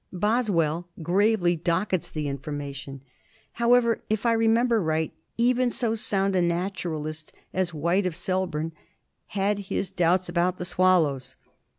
Boswell gravely dockets the information. However, if I remember right, even so sound a naturalist as White of Selborne had his doubts about the swallows.